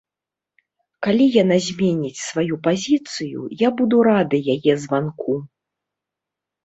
Калі яна зменіць сваю пазіцыю, я буду рады яе званку.